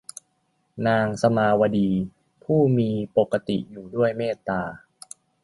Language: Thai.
นางสามาวดี ผู้มีปกติอยู่ด้วยเมตตา